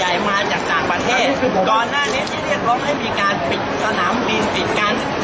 อาหรับเชี่ยวจามันไม่มีควรหยุด